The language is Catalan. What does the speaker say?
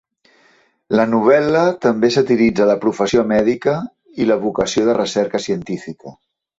La novel·la també satiritza la professió mèdica i la vocació de recerca científica.